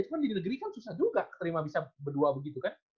cuma di negeri kan susah juga terima bisa berdua begitu kan